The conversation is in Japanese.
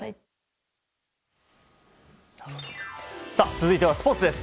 続いてはスポーツです。